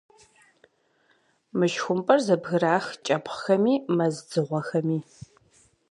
Мышхумпӏэр зэбгырах кӏэпхъхэми, мэз дзыгъуэхэми.